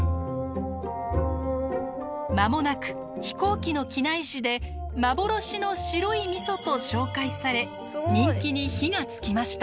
間もなく飛行機の機内誌で幻の白いみそと紹介され人気に火が付きました。